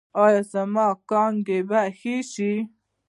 ایا زما کانګې به ښې شي؟